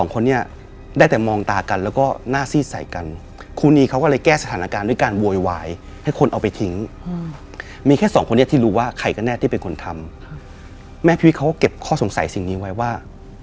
ใครก็แน่ที่เป็นคนทำครับแม่พี่พี่เขาก็เก็บข้อสงสัยสิ่งนี้ไว้ว่า